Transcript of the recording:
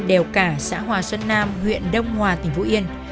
đèo cả xã hòa xuân nam huyện đông hòa tỉnh vũ yên